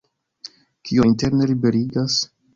Kio interne liberigas?